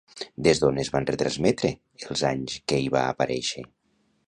Des d'on es van retransmetre els anys que hi va aparèixer?